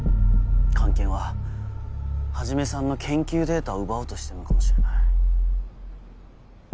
菅研は始さんの研究データを奪おうとしてるのかもしれない。